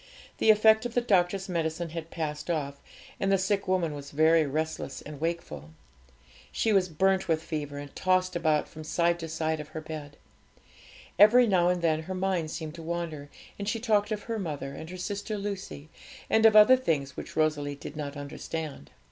The effect of the doctor's medicine had passed off, and the sick woman was very restless and wakeful. She was burnt with fever, and tossed about from side to side of her bed. Every now and then her mind seemed to wander, and she talked of her mother and her sister Lucy, and of other things which Rosalie did not understand.